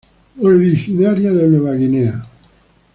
Originaria de Nueva Guinea.